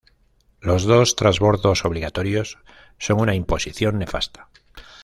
Los dos transbordos obligatorios son una imposición nefasta